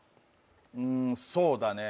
うんそうだね